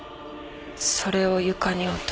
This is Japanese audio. それを床に落として。